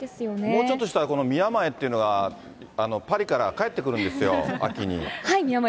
もうちょっとしたら、このみやまえっていうのがパリから帰ってくるんですよ、秋に。